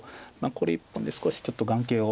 これ１本で少しちょっと眼形を。